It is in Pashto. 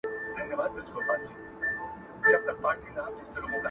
خداى دي زما د ژوندون ساز جوړ كه.